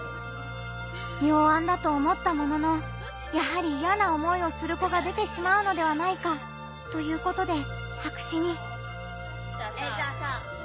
妙案だと思ったものの「やはりイヤな思いをする子が出てしまうのではないか」ということで白紙に。